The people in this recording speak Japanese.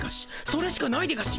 それしかないでガシ。